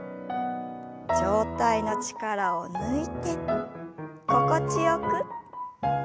上体の力を抜いて心地よく。